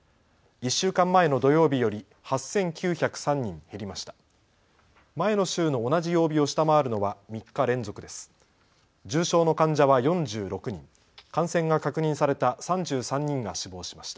１週間前の土曜日より８９０３人減りました。